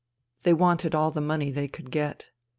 They wanted all the money they could get.